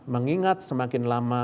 mengingat semakin lama